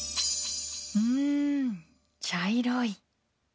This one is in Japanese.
うーん、茶色い。